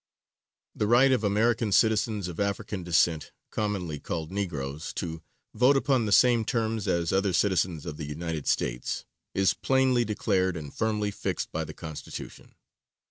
] The right of American citizens of African descent, commonly called Negroes, to vote upon the same terms as other citizens of the United States, is plainly declared and firmly fixed by the Constitution.